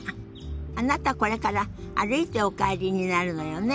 あなたこれから歩いてお帰りになるのよね。